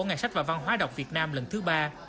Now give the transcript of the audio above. ngày sách và văn hóa đọc việt nam lần thứ ba